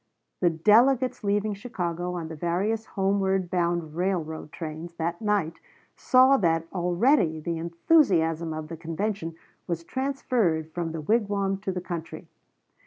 The delegates leaving Chicago on the various homeward bound railroad trains that night, saw that already the enthusiasm of the convention was transferred from the wigwam to the country.